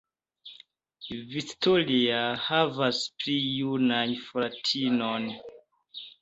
Victoria havas pli junan fratinon.